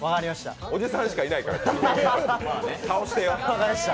おじさんしかいないから倒してよ。